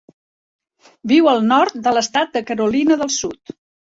Viu al nord de l'estat de Carolina del Sud.